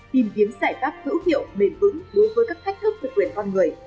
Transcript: tìm kiếm giải pháp thữ hiệu mềm ứng đối với các thách thức về quyền con người